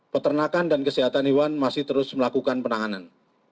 peternakan dan kesehatan hewan masih terus melakukan penanganan